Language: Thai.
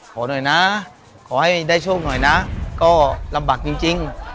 ขอหน่อยนะขอให้ได้โชคหน่อยนะก็ลำบากจริง